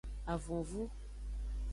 Avonvu.